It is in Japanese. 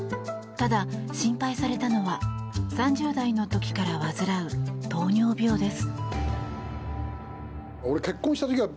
ただ、心配されたのは３０代の時から患う糖尿病です。